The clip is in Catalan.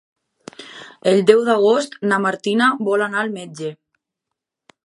El deu d'agost na Martina vol anar al metge.